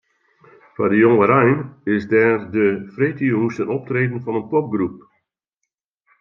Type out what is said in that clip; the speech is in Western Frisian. Foar de jongerein is der de freedtejûns in optreden fan in popgroep.